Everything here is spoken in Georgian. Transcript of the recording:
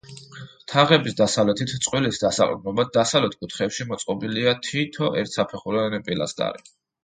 თაღების დასავლეთით წყვილის დასაყრდნობად დასავლეთ კუთხეებში მოწყობილია თითო ერთსაფეხურიანი პილასტარი.